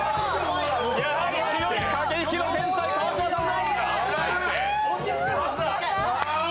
やはり強い、駆け引きの天才、川島さん！